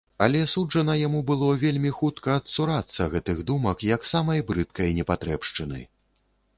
Але суджана яму было вельмі хутка адцурацца гэтых думак, як самай брыдкай непатрэбшчыны.